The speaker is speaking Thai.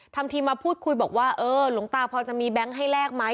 ทำทีมาพูดคุยบอกว่าเออหลวงตาพอจะมีแบงค์ให้แลกไหม